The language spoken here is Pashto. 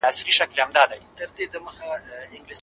افغانستان د طبیعي منابعو په برخه کې ستر ظرفیت لري.